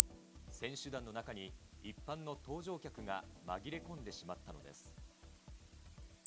選手団の中に一般の搭乗客が紛れ込んでしまったのです。